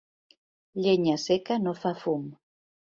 Llenya seca no fa fum.